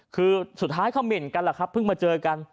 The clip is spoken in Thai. คือสุดท้ายคำเหน่นกันแหละครับเพิ่งมาเจอกัน